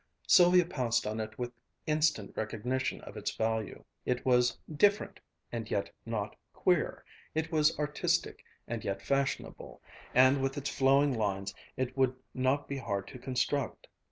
Sylvia pounced on it with instant recognition of its value. It was "different" and yet not "queer," it was artistic and yet fashionable, and with its flowing lines it would not be hard to construct.